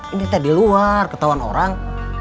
ini tadi luar ketahuan orang